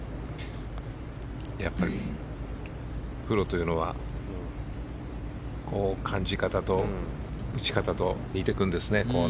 プロというのは感じ方と打ち方と似てくるんですね。